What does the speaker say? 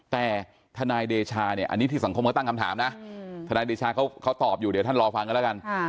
แต่ทนายเดชาเนี่ยอันนี้ที่สังคมก็ตั้งคำถามนะทนายเดชาเขาตอบอยู่เดี๋ยวท่านรอฟังกันแล้วกัน